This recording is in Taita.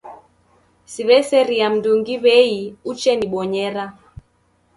Siw'eseriaa mndungi w'ei uchenibonyera.